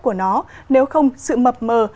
của nó nếu không sự mập mờ